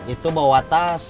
itu bawa tas